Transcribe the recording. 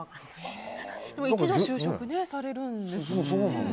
でも、一度就職されるんですよね？